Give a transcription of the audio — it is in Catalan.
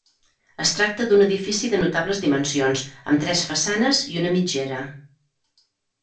Es tracta d'un edifici de notables dimensions amb tres façanes i una mitgera.